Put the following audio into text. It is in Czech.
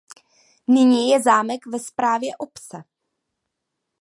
Nyní je zámek ve správě obce.